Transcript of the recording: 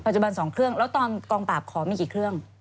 จุบัน๒เครื่องแล้วตอนกองปราบขอมีกี่เครื่อง